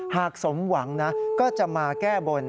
สมหวังนะก็จะมาแก้บน